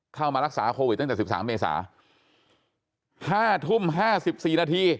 เข้ามารักษาโควิดตั้งแต่๑๓เมษา๕ทุ่ม๕๔นาที